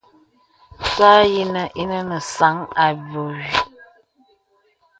Sa yinə īnə nə sāŋ aboui.